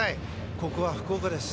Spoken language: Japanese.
ここは福岡です。